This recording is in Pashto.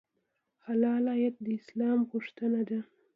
حلال عاید د اسلام غوښتنه ده.